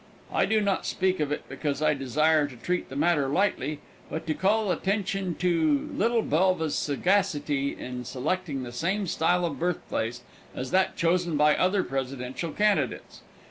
I do not speak of it because I desire to treat the matter lightly, but to call attention to little Belva's sagacity in selecting the same style of birthplace as that chosen by other presidential candidates.